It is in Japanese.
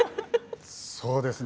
そうですね。